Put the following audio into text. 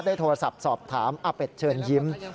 ได้โทรศัพท์สอบถามอเบทเชิญยิ้ม